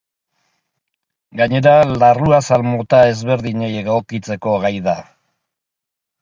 Gainera, larruazal mota ezberdinei egokitzeko gai da.